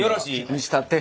見したって。